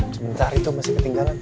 sebentar itu masih ketinggalan